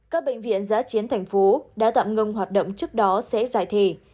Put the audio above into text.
các bệnh viện giã chiến thành phố đã tạm ngưng hoạt động trước đó sẽ giải thể